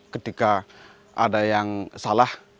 ketika ada yang salah